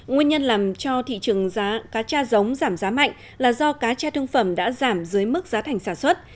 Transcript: nguyên nhân làm cho thị trường cá tra giống giảm giá mạnh là do cá tra thương phẩm đã giảm dưới mức giá thành sản xuất